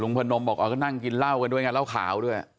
พนมบอกก็นั่งกินเหล้ากันด้วยไงเหล้าขาวด้วย